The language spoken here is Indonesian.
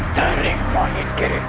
aku ingin menjaga keamananmu